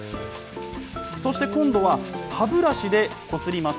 そして今度は、歯ブラシでこすります。